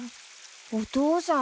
お父さん？